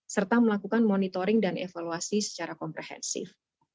serta melakukan monitoring dan evaluasi secara komprehensif